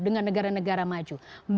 dengan negara negara maju